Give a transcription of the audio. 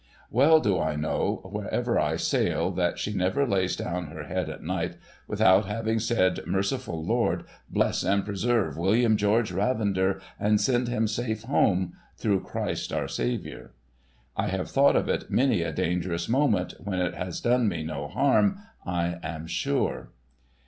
Well do I know wherever I sail that she never lays down her head at night without having said, ' Merciful Lord ! bless and preserve William George Ravender, and send him safe home, through Christ our Saviour !' I have thought of it in many a dangerous moment, when it has done me no harm, I am sure.